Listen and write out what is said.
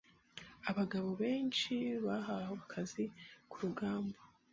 Abagabo benshi bahawe akazi ku rugamba.